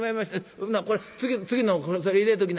ほんならこれ次の入れときな。